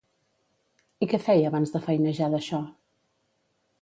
I què feia abans de feinejar d'això?